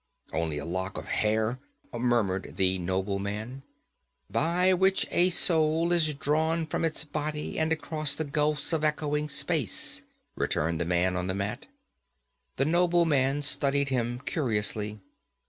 'Only a lock of hair,' murmured the nobleman. 'By which a soul is drawn from its body and across gulfs of echoing space,' returned the man on the mat. The nobleman studied him curiously.